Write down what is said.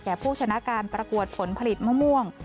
ผู้ชนะการประกวดผลผลิตมะม่วง